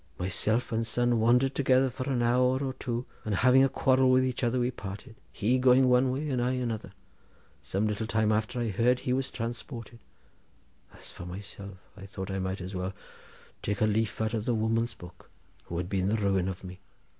Myself and son wandered together for an hour or two, then, having a quarrel with each other, we parted, he going one way and I another. Some little time after I heard that he was transported. As for myself, I thought I might as well take a leaf out of the woman's book, who had been the ruin of me.